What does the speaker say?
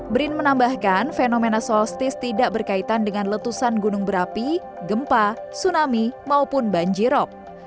brin menambahkan fenomena solstis tidak berkaitan dengan letusan gunung berapi gempa tsunami maupun banjirop